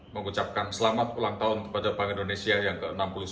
mengucapkan selamat ulang tahun kepada bank indonesia yang ke enam puluh sembilan